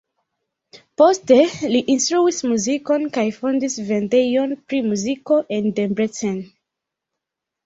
Poste li instruis muzikon kaj fondis vendejon pri muziko en Debrecen.